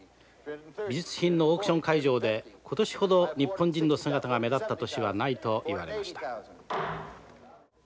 美術品のオークション会場で今年ほど日本人の姿が目立った年はないと言われました」。